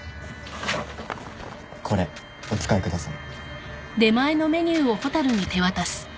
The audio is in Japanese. これお使いください。